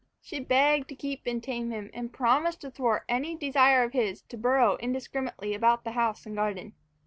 She begged to keep and tame him, and promised to thwart any desire of his to burrow indiscriminately about the house and garden.